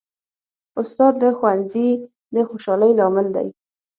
استاد د ښوونځي د خوشحالۍ لامل دی.